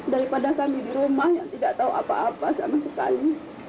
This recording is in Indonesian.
daripada kami di rumah yang tidak tahu apa apa sama sekali